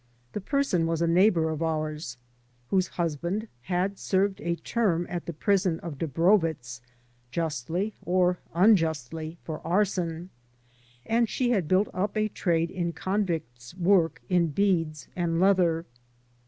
The person was a neighbor of ours, whose husband had served a term at the prison of Dobrovetz, justly or unjustly, for arson, and she had built up a trade in convict's work in beads and leather.